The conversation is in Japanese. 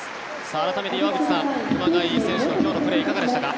改めて岩渕さん、熊谷選手の今日のプレーはいかがでしたか？